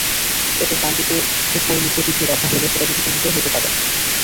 পেটের ডান দিকে ওপর-নিচে তীব্র ব্যথা হলে, সেটা গুরুতর বিষয় হতে পারে।